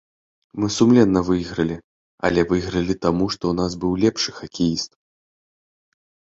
Мы сумленна выйгралі, але выйгралі, таму што ў нас быў лепшы хакеіст.